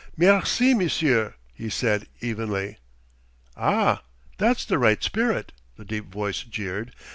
"Merci, monsieur," he said evenly. "Ah, that's the right spirit!" the deep voice jeered.